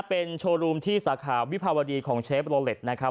เป็นโชว์รูมที่สาขาวิภาวดีของเชฟโลเล็ตนะครับ